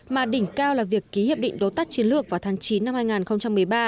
mà đỉnh cao là việc ký hiệp định đối tác chiến lược vào tháng chín năm hai nghìn một mươi ba